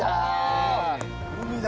海だ。